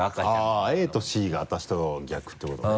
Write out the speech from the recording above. あぁＡとＣが私と逆っていうことね。